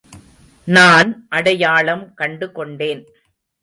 நான் அடையாளம் கண்டு கொண்டேன்.